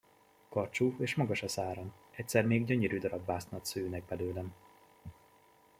Karcsú és magas a száram, egyszer még gyönyörű darab vásznat szőnek belőlem.